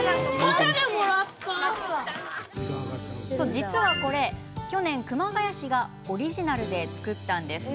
実は、これ去年、熊谷市がオリジナルで作ったんです。